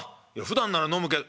ふだんなら飲むけ。